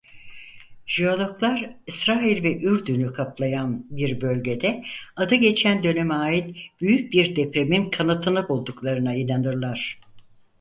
Jeologlar İsrail ve Ürdün'ü kaplayan bir bölgede adı geçen döneme ait büyük bir depremin kanıtını bulduklarına inanırlar.